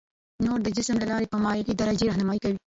نور د جسم له لارې په مایلې درجې رهنمایي کوي.